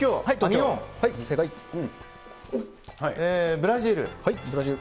ブラジル。